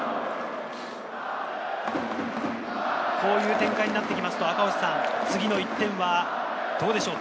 こういう展開になってきますと次の１点はどうでしょう？